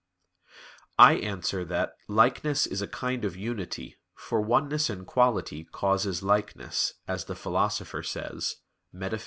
I answer that, Likeness is a kind of unity, for oneness in quality causes likeness, as the Philosopher says (Metaph.